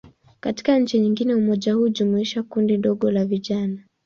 Katika nchi nyingine, umoja huu hujumuisha kundi dogo tu la vijana.